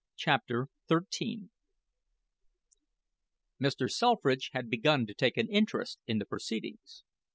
CHAPTER XIII Mr. Selfridge had begun to take an interest in the proceedings.